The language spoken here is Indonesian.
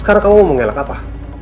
sekarang kamu mau ngelak apa